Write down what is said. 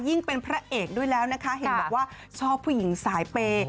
เป็นพระเอกด้วยแล้วนะคะเห็นบอกว่าชอบผู้หญิงสายเปย์